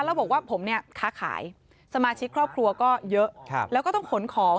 แล้วบอกว่าผมเนี่ยค้าขายสมาชิกครอบครัวก็เยอะแล้วก็ต้องขนของ